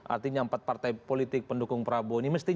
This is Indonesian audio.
artinya empat partai politik pendukung prabowo ini